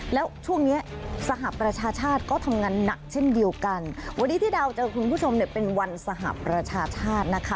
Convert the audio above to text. แล้วช่วงเนี้ยสหประชาชาติก็ทำงานหนักเช่นเดียวกันวันนี้ที่ดาวเจอคุณผู้ชมเนี่ยเป็นวันสหประชาชาตินะคะ